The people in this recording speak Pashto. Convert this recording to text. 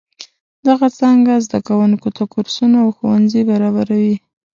دغه څانګه زده کوونکو ته کورسونه او ښوونځي برابروي.